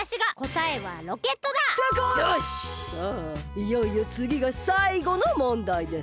いよいよつぎがさいごの問だいです。